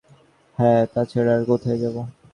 হ্যা, তাছাড়া আর কোথায় যাবো।